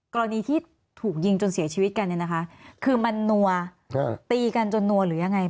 กรณีที่ถูกยิงจนเสียชีวิตกันเนี่ยนะคะคือมันนัวตีกันจนนัวหรือยังไง